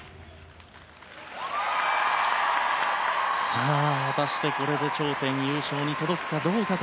さあ、果たしてこれで頂点、優勝に届くか。